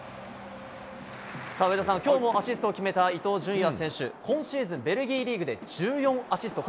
さあ、上田さん、きょうもアシストを決めた伊東純也選手、今シーズン、ベルギーリーグで１４アシスト。